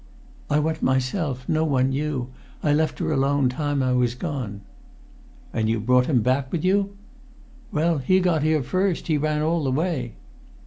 "I went myself. No one knew. I left her alone time I was gone." "And you brought him back with you?" "Well, he got here first. He ran all the way."